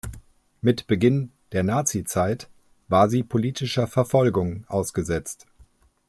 Mit Beginn der Nazi-Zeit war sie politischer Verfolgung ausgesetzt.